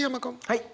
はい。